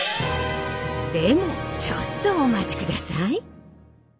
でもちょっとお待ちください。